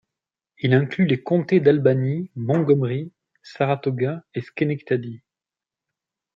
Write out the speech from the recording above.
Il inclut les comtés d'Albany, Montgomery, Saratoga et Schenectady.